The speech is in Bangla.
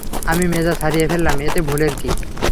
আমি মেজাজ হারিয়ে ফেললাম, এতে ভুলের কী?